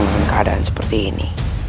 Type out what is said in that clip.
dalam keadaan seperti ini